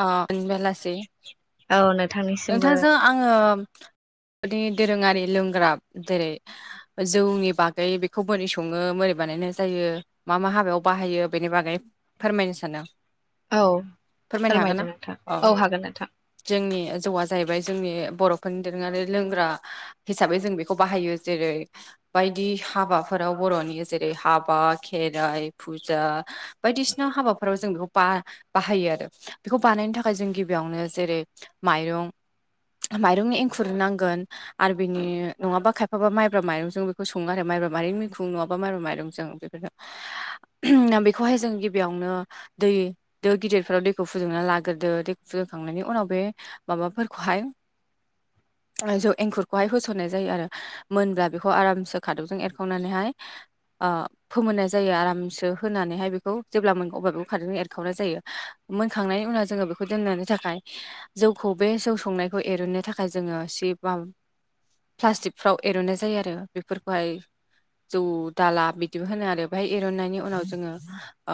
आ [unintelligible] बेलासि। औ नोंथांनिसिमबो नोंथांजों आङो [inaudible] फोरनि दोरोङारि लोंग्रा जेरै जौनि बागै बेखौ बोरै सङो मोरै बानाय नायनाय जायो मा मा हाबायाव बाहायो बेनि बागै फोरमायनो सानों। औ फोरमायनो हागोन ना? फोरमायदों नोंथां अ औ हागोन नोंथां जोंनि वा जाहैबाय जोंनि बर'फोरनि दोरोङारि लोंग्रा हिसाबै जों बेखौ बाहायो। जेरै बायदि हाबाफोराव बर'नि जेरै हाबा, खेराइ, फुजा, बायदिसिना हाबाफोराव जों बेखौ बा-बाहायो आरो। बेखौ बानायनो थाखाय जों गिबियावनो जेरै माइरं माइरं एंखुर नांगोन आरो बिनि नङाबा खायफाबा माइब्रा माइरंजों बेखौ सङो आरो माइ माइब्रा माइरं मिखुं नङाबा माइब्रा माइरंजों बेफोरनो बेखौहाय जों गिबियावनो दै दो गिदिरफोराव दैखौ फुदुंना लागोरदो। दैखौ फुदुंखांनायनि उनाव बे माबाफोरखौहाय [inaudible] ओ जौ एंखुरखौहाय होसननाय जायो आरो। मोनब्ला बेखौ आरामसे खादबजों एरखावनानैहाय आ फोमोननाय जायो आरामसो होनानैहाय बेखौ। जेब्ला मोन अब्ला बेखौ खादौजों एरखावनाय जायो। मोनखांनायनि उनाव जोङो बेखौ दोननायनि थाखाय जौखौ बे जौ संनायखौ एरुननो थाखाय जोङो सि बा प्लास्टिकफ्राव एर'नाय जायो आरो बेफोरखौहाय। जौ दाला बिदिबो होनो आरो बेहाय एरननायनि उनाव जोङो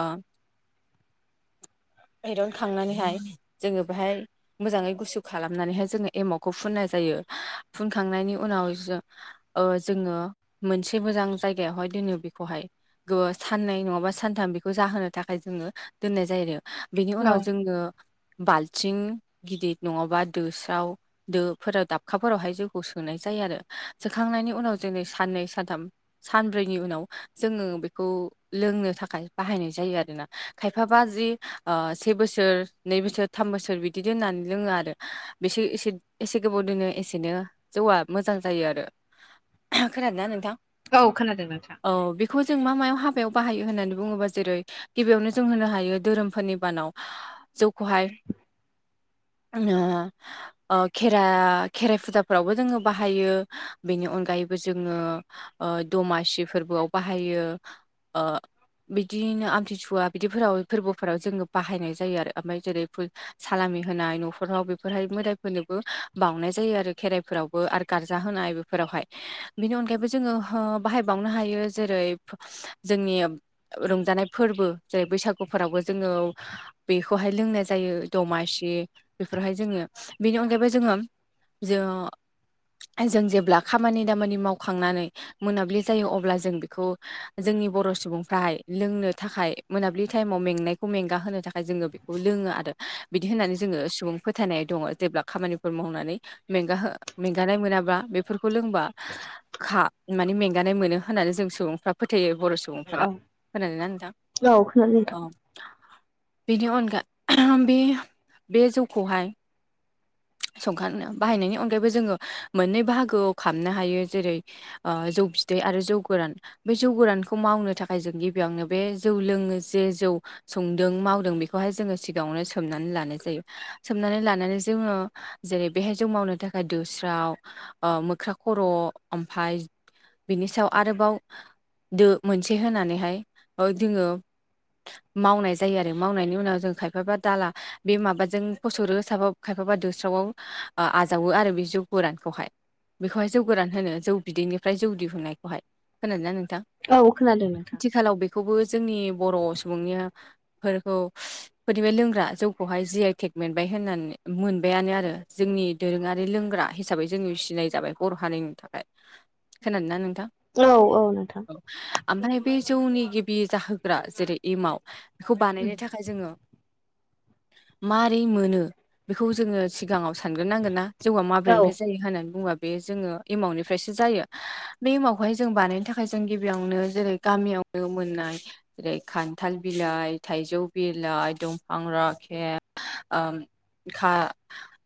ओ मरनो खांनानैहाय जोङो बेहाय मोजाङै गुसु खालामनानैहाय जोङो एमावखौ फुननाय जायो फुनखांनायनि उनाव जों जोङो मोनसे मोजां जायगायावहाय दोनो बेखौहाय साननै नङाबा सानथाम बेखौ जाहोनो थाखाय जोङो दोननाय जायो आरो बेनि औ उनाव जोङो बालथिं गिदििर नङाबा दोस्राव दोफोराव दाबखाफोरावहाय जौखौ सोनाय जायो आरो सोखांनाय ानि उनाव जोंो साननै सानथाम सानब्रैनि उनाव जोङो बेखौ लोंनो थाखाय ब जायोोना खाय ब से बोसोर बोसोर थाम बोसोर बि दोननानै लोङो आरो बेस एसे एसे गोबाव दोनो एसेनो जौआ मोजां जायो आरो। खोनादों ना नोंथां? औ खोनादों नोंथां। औ बेखौ जों मा मायाव हाबायाव बाहायो होन्नानै बुङोबा जेरै गिबियावनो जों होनो हायो धोरोमफोरनि बानाव। जौखौहाय [inaudible] ओ खेर खेराइ फुजाफोरावबो जोङो बाहायो बेनि अनगायै ायबो जोङो दमासि फोरबोआव बाहायो ओ बिदिनो आमथिसुवा बिदिफोराव फोरबोफोराव जोङो बाहायनाय जायो आरो ओमफ्राय जेरै सालामि होनाय न'खराव बेफोरहाय मोदायफोरनोबो बावनाय जायो आरो खेराइफोरावबो आरो गारजा होनाय नायफोरावहाय बिनि अनायैबो जोङो बाहायनो हायो जेरै जोंनि रंजानाय फोरबो जेरै बैसागुफोरावबो जोङो बेखौहाय लोंनाय जायो। दमासि बेफोरहाय जोङो बेनि अनगायैबो जोङो जों जों जेब्ला खामानि दामानि मावखांनानै मोनाबिलि जायो अब्ला जों बेखौ जों जोंनि बर' सुबुंफ्राहाय लोंनो थाखाय मोनाबिलि टाइमाव मेंनायखौ मेंगााहो थाखाय जोङो बेखौ लोङो। आरो बिदि होननानै जोङो सुबुं फोथायनाय दङ जेब्ला खामानिफोर मावनानै मेंग मेंगानाय मोनाबा बेफोरखौ खौ लोंबा खा माने मेंगानाय मोनो होननानै जों सुबुंफ्रा फोथायो ‌। बर' सुबुंफोरा खोनादों ना नोंथां औ औ बेनि अनगा बे बे जौखौहाय [inaudible] संखांनो बाहायनायनि अनगायैबो जोङो मोननै बाहागोआव खामनो हायो जेरै ओ जौ बिदै। आरो जौ गोरान बे जौ गोरानखौ मावनो थाखाय जों गिबियावनो बे जौ लोङो जे जौ सं दों मावदों बेखौहाय जोङो सिगाङावनो सोमनानै लानाय जायो। सोमनानै लानानै ज जोङो जेरै बेहाय जौ मावनो थाखाय दोस्राव ओ मोख्रा खर' ओमफाय बिनि सायाव आरोबाव दो मोनसे होनानैहाय ओ जोङो मावनाय जायो आरो मावनायनि उनाव जों खायफाबा दाला बे माबाजों फसरो साबा खायफाबा दोस्रावआव आ आजावो आरो बे जौ गोरानखौहाय। बेखौहाय जौ गोरान होनो जौ बिदैनिफ्राय जौ दिहुननायखौहाय खोनादोंना नों औ खोनादों नोंथां। बेखौबो जोंनि बर' सुबुंनिया फोरखौ फोरनिफ्राय लोंग्रा जौखौहाय जि आइ टेक मोनबाय होननानै मोनबायानो आरो जोंनि दोरोङारि लोंग्रा हिसाबै जोंङो सिनाय जाबाय बर' हारिनि थाखाय। खोनादोंना नों औ औ ओमफ्राय बे जौनि गिबि जाहोग्रा जेरै एमाव बेखौ बानायनो थाखाय जोङो मारै मोनो? बेखौ जोङो सिगाङाव सानग्रोनांगोनना जौआ औ माब्रैनिफ्राय जायो होननानै बुङोबा बे जोङो एमावनिफ्रायसो जायो बे एमावखौहाय जों बानायनो थाखाय जों गिबियावनो जेरै गामियाव नुनो मोननाय जेरै खान्थाल बिलाइ थाइजौ बिलाइ दंफां राखेब आ गोखा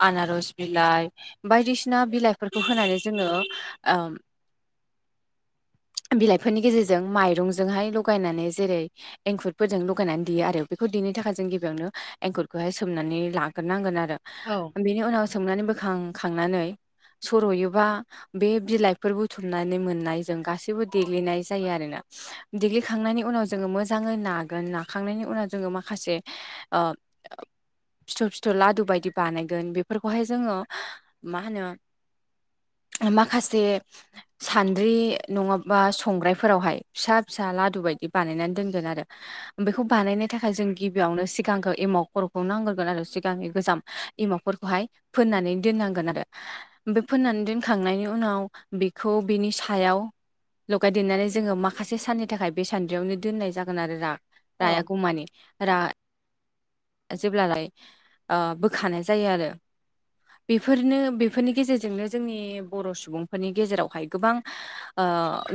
आनारस बिलाइ बायदिसिना बिलाइफोरखौ होनानै जोङो आओं [inaudible] बिलाइफोरनि गेजेरजों माइरंजोंहाय लगायनानै जेरै एंखुरफोरजों लगायनानै देयो आरो बेखौ। देनो थाखाय जों गिबियावनो एंखुरखौहाय सोमनानै लाग्रोनांगोन आरो औ बेनि उनाव। सोमनानै बोखांखांनानै। सर'योबा बे बिलाइफोर बुथुमनानै मोननायजों गासैबो देग्लिनाय जायो आरोना। दिग्लिखांनायनि उनाव जोङो मोजाङै नागोन नाखांनायनि उनाव जोङो माखासे आ। [inaudible] फिथर फिथर लादु बायदि बानायगोन बेफोरखौहाय जोङो मा होनो। [inaudible] माखासे सान्द्रि नङाबा संग्रायफोरावहाय फिसा फिसा लादु बायदि। बिदि बानायनानै दोनगोन आरो बेखौ बानायनो थाखाय जों गिबियावनो सिगांखो एमाव खर'खौ नांग्रोगोन आरो। गांनि गोजाम एमावफोरखौहाय फोननानै दोननांगोन आरो बे फोननानै दोनखांनायनि उनाव। उनाव बेखौ बिनि सायाव। लगायदेरनानै जोङो माखासे साननि थाखाय बे सान्द्रियावनो दोननाय जागोन आरो रा रायागौमानि रा जेब्ला रायो। आ बोखानाय जायो आरो। बेफोरनो बेफोरनि गेजेरजोंनो जोंनि बर' सुबुंफोरनि गेजेरावहाय गोबां आ आ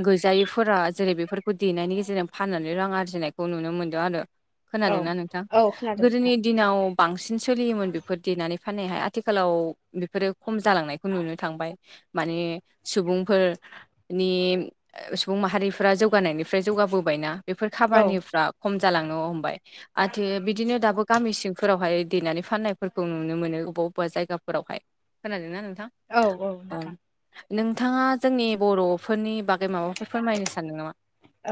गैजायैफोरा जेरै बेफोरखौ देनायनि गेजेरजों फाननानै रां आरजिनायखौ नुनो मोनदों आरो। औ खोनादोंना नोंथां? औ खोनादों गोदोनि नोंथां दिनाव बांसिन सिन सोलियोमोन बेफोर देनानै फाननायाहाय आथिखालाव बिफोरो खम जालांनायखौ नुनो थांबाय मानो। माने सुबुंफोरनि सुबुं माहारिफोरा जौगानायनिफ्राय जौगाबोबायना। बेफोर औ खामानिफ्रा खम जालांनो हमबाय आथि बिदिनो दाबो गामि सिंफोरावहाय। देनानै फाननायफोरखौ नुनो मोनो अबेबा अबेबा जायगाफोरावहाय होनानै। औ औ नोंथां नोंथाङा जोंनि बर'फोरनि बागै माबाफोर फोरमायनो सानदों नामा?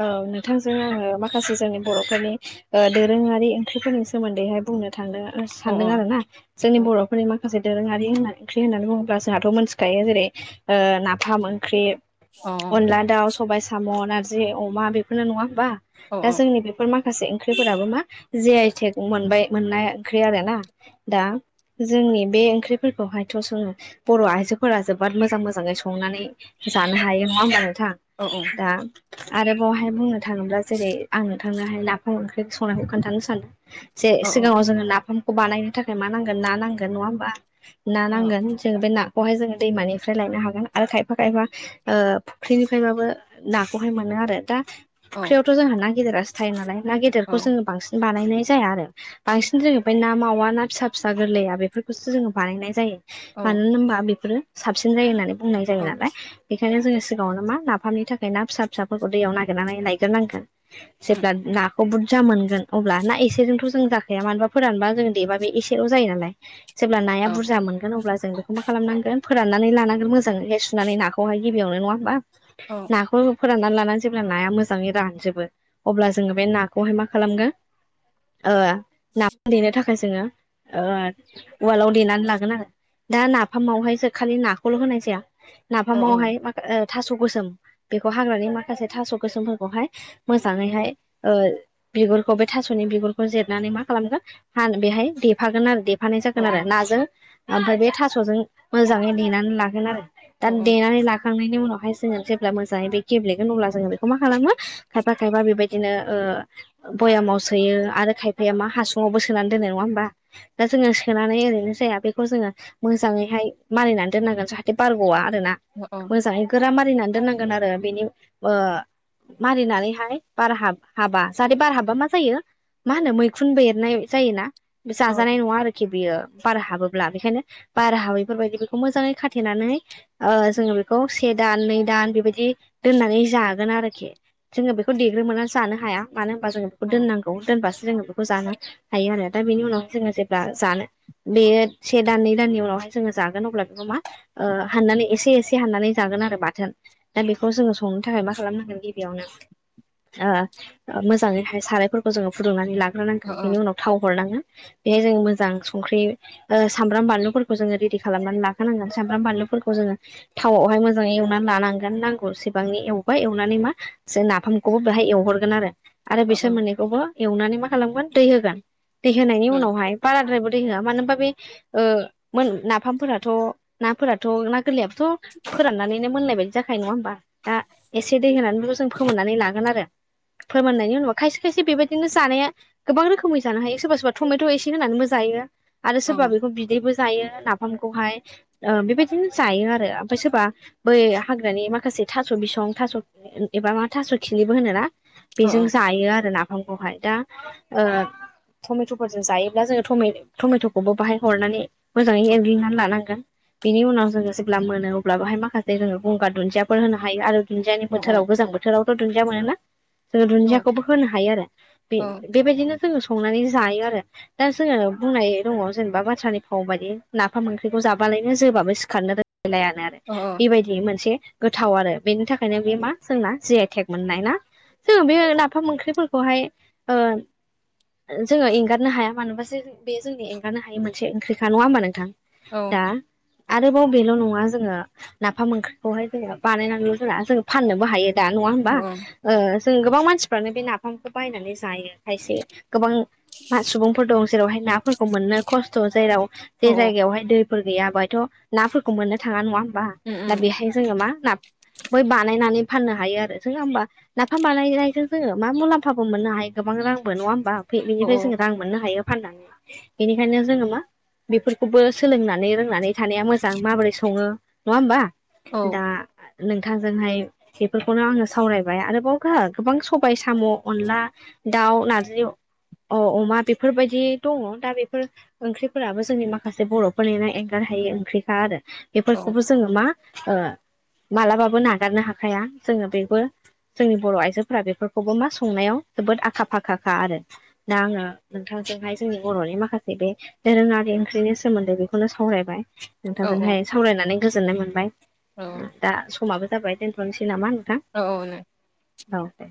औ नोंथांजों आङो माखासे जोंनि बर'फोरनि ओ दोरोङारि ओंख्रिफोरनि सोमोन्दैहाय। बुंनो थांदों अ सानदों आरोना जोंनि अ बर'फोरनि मा माखासे दोरोङारि होनना ओंख्रि होननानै बुङोब्ला जोंहाथ' मिथिखायो जेरै ना फाम ओंख्रि अ अनला दाउ सबाइ साम' नारजि अमा बेफोरनो नङा ओमबा। औ दा जोंनि बेफोर माखासे ओंख्रिफोराबो मा। जिआइ टेक मोनबाय मोननाय ओंख्रि आरोना दा। जोंनि बे ओंख्रिफोरखौहायथ' जोङो बर' आइजोफोरा जोबोद मोजां मोजां मोजाङै संनानै। जानो हायो नङा ओमबा औ नोंथां दा। आरो बावहाय बुंनो थाङोब्ला जेरै आं नोथांनोहाय नाफाम ओंख्रि संनायखो खोन्थानो सानदों। जे औ सिगाङाव जोङो नाफामखौ बानायनो थाखाय मा नांगोन ना नांगोन नङा ओमबा? ना औ नांगोन जोङो बे ना? खौहाय जोङो दैमानिफ्राय लायनो हागोन आरो खायफा खायफा ओ फुख्रिनिफ्रायबाबो ना। खौहाय मोनो आरो दा औ फुख्रियावथ' जोंहा ना गेदेरासो थायो नालाय ना गेदेरखौ जों औ बांसिन बा बानायनाय जाया आरो बांसिन जोङो इनिफाय ना मावा ना फिसा फिसा गोरलैया बेफोरखौसो जोङो बानायनाय जायो मानो होनबा बेफोरो साबसिन जायो होननानै बुंनाय जायो औ नालाय बेखायनो जोङो सिगाङावनो मा नाफामनि थाखाय ना फिसा फिसाफोरखौ दैयाव नागिरनानै लायग्रोनांगोन। जेब्ला ना बुरजा मोनगोन अब्ला ना एसेजोंथ' जों जाखाया मानबा फोरानबा जों देबा बे एसेल' जायो नालाय। जेब्ला नाया बुरजा मोनगोन अब्ला जों बेखौ मा खालामनांगोन फोरान नानै लानांगोन मोजांङै सुनानै नाखौहाय गिबियावनो नङा ओमबा औ नाखौ। फोराननानै लानानै जेब्ला नाया मोजाङै रानजोबो अब्ला जोङो बे नाखौहाय मा खालामगोन। ओ नाफाम देनो थाखाय जोङो। ओ उवालाव देनानै लागोन आरो दा नाफामावहाय जों खालि नाखौल' होनाय जाया। नाफामावहाय मा थास' गोसोम बे हाग्रानि माखासे थास' गोसोमफोरखौहाय मोजाङैहाय बिगुरखौ बै थास'नि बि गुरखौ जिरनानै मा खालामगोन हाना देफागोन आरो दे देफानाय जागोन आरो औ नाजों ओमफ्राय बे थास'जों मोजाङै देनानै लागोन आरो दा देनानै लाखांनायनि उनावहाय जोङो जेब्ला मोजाङै बे गेब्लेगोन अब्ला जोङो बेखौ मा खालामो खायफा खायफा बेबाय दिनो ओ बयामाव सोयो आरो खायफाया मा हासुङावबो सोनानै दोनो नङा ओमबा जोङो सोनानै ओरैनो जाया बेखौ जोङो मोजाङैहाय मारिनानै दोननांगोन जाहाथे बार गवा आरोना मोजाङै गोरा मारिनानै दोननांगोन आरो बेनि ओ मारिनानैहाय बार हाब हाबा जाहाथे बार हाबबा मा जायो मा होनो मैखुन बेरनाय जायोना जाजानाय नङा आरोखि बेयो बार हाबोब्ला बेखायनो बार हाबैफोरबायदि मोजाङै खाथेनानै ओ जोङो बेखौ बे दान नै दान बेबा दि दोननानै जागोन आरोखि जोङो बेखौ देग्रोमोना मजानो हाया मानो बा जों बेखौ दोननांगौ दोनबासो जों बेखौ जानो हायो आरो दा बेनि उनाव जोङो जे ब्ला जानो बेयो से दान नै दाननि उनावहाय जोङो जागोन अब्ला बेखौ मा हाननानै एसे एसे हाननानै जागोन आरो बाथोन दा बेखौ जोङो संनो थाखाय मा खालामनांगोन गिबियावनो ओ मोजाङैहाय सारायफोरखौ जोङो फुदुंनानै औ लाग्रोनांगोन बेनि उनाव थाव हरनांगोन बेहाय जों मोजां संख्रि सामब्राम बानलुफोरखौ जोङो रेडि खालामनानै लाखानांगोन सामब्राम बानलु फोरखौ जोङो थावावहाय मोजाङै एवनानै लानां गोन नांगौ सिबांनि एवबाय एवनानै मा नाफामखौबो बेहाय एवहरगो आरो आरो बिसोर मोननैखौबो एवनानै मा खालामगोन दै होगोन दै होनायनि उनावहाय बाराद्राय दै होआ मानोबा बे ओ मोन नाफामफोराथ' नाफोराथ' गोरलैयाबोथ' फोराननानैनो मोननायबायदि जाखायो नङा बा दा एसे दै होनानैबो जों फोमोननानै लागोन आरो फोरमाननायनि उनाव खायसे खायसे बेबायदिनो जानाया गोबां रोखोमै जानो हायो सोरबा सोरबा टमेट एसे होनानैबो जायो आरो सोरबा बेखौ बिदैबो जायो नाफामखौहाय बेबायदिनो जायो आरो ओमफ्राय सोरबा बै हाग्रानि माखासे थास' बिसं थास' एबा मा थास' खिनिबो होनोना औ बेजों जायो आरो नाफामखौहाय दा औ टमेटफोरजों जायोब्ला जोङो टमेटखौबो बाहाय हरनानै मोजाङै औ एरग्लिनानै लानांगोन बेनि उनाव जोङो जेब्ला मोनो अब्ला बेहाय माखासे रोङो गंगार दुन्दियाफोर होनो हायो आरो दुन्दियानि औ बोथोराव गोजां बोथोरावथ दुन्दिया मोनोना जोङो औ दुन्दियाखौबो होनो हायो आरो बे औ बेबायदिनो जोङो संनानै जायो आरो दा जोङो बुंनाय दङ जेनेबा बाथ्रानि फाव बायदि नाफाम ओख्रिखौ जाबालायनो जोबाबो सिखारनो रोंलायानो आरो औ बेबायदिनो मोन एसे गोथाव आरो बेनि थाखायनो बे मा जोंना जे आइटेक मोननाय ना जोङो बे नाफाम ओंख्रिफोरखौहाय जोङो एंगारनो हाया मानोबासो बे जोंनि एंगारनो हायि मोनसे ओंख्रिखा नङा होमबा नोंथां औ दा आरोबाव बेल नङा जोङो नाफाम ओंख्रि बेहाय जोङो बानायनानैल' जोंना जो फाननोबो हायो दा नङा औ होमबा ओ जों गोबां मानसिफ्रानो बे नाफामखौ बायनानै जायो खायसे गोबां सुबुंफोर दं जेरावहाय नाफोरखौ मोननो खस्थ जेराव औ जे जायगायावहाय दै फोर गैया बायथ नाफोरखौ मोननो थाङा नङा होमबा औ दा बेहाय जोङो मा ना बै बानायनानै फाननो हायो आरो जोंङा होमबा नाफाम बानायनायजों जोङो मा मुलाम्फाबो मोननो हायो गोबां गोबां रां मोन नङा होमबा बेनिफ्राय जो रां मोननो हायो फाननानै बेनिखायनो जोङो मा बेफोरखौबो सोलोंनानै रोंनानै थानाया मोजां माबोरै सङो नङा होमबा दा नोंथांजोंहाय बेफोरखौनो आङो सावरायबाय आरोबाव गोबां सबाइ साम' अनला दाउ नारजि अ अमा बेफोरबायदि दङ दा बेफोर ओंख्रिफोराबो जोंनि माखासे बर'फोरनिनो एंगार आाइ ओंख्रिखा आरो बेफोरखौबो जोङो मा मालाबाबो नागारनो हाखाया जोङो बेबो जोंनि बर आइजोफोरा बेफोरखौबो मा संनायाव जोबोद आखा फाखाखा आरो दा आङो नोंथां। जोंहाय जोंनि बर'नि माखासे बे दोरोङारि ओंख्रिनि सोमोन्दै बेखौनो सावरायबाय औ नोंथांजोंहाय सावरायनानै गोजोननाय मोनबाय दा समाबो जाबाय दोनथ'नोसै नामा होन औ औ नो औ दे।